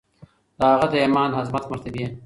د هغه د ایمان، عظمت، مرتبې